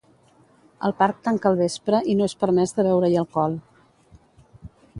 El parc tanca al vespre i no és permès de beure-hi alcohol.